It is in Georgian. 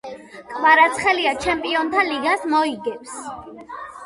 კვარაცხელია ჩემპიონთა ლიგას მოიგებს